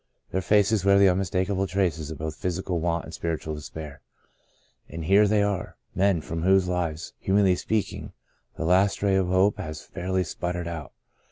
Their faces wear the unmistakable traces both of physical want and spiritual despair. And here they are I Men, from whose lives, humanly speaking, the last ray of hope has fairly spluttered out.